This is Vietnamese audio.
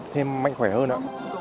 thêm mạnh khỏe hơn ạ